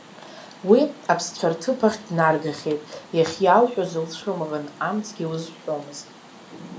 Уи аԥсцәа рҭыԥахь днаргахьеит, иахьиалҳәоз лцәымӷын, амцгьы лызҳәомызт.